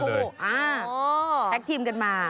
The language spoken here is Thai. แท็กทีมกันมา